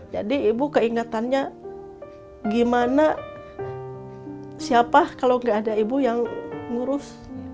jadi ibu keingetannya gimana siapa kalau nggak ada ibu yang ngurus